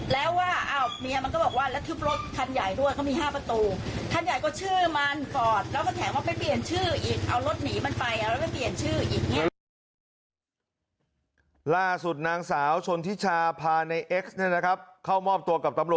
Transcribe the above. แล้วว่ามีมันก็เรียกแล้วเราก็บอกว่า